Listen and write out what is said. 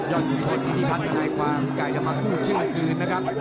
โหส่องซ้ายหน้าคำแทง